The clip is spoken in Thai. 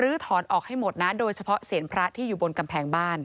รื้อถอนออกให้หมดนะโดยเฉพาะเศรภรรณ์ที่อยู่บนกำแพงบ้าน